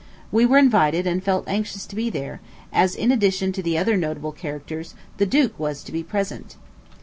We were invited, and felt anxious to be there; as, in addition to the other notable characters, "the duke" was to be present.